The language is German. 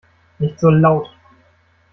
Nicht so laut!